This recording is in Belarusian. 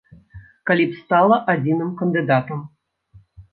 Калі б стала адзіным кандыдатам.